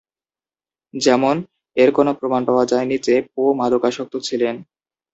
যেমন এর কোনো প্রমাণ পাওয়া যায়নি যে পো মাদকাসক্ত ছিলো।